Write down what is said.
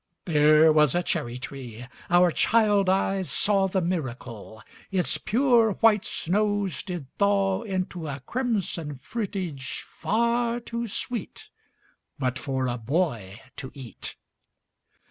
There was a cherry tree our child eyes saw The miracle: Its pure white snows did thaw Into a crimson fruitage, far too sweet But for a boy to eat.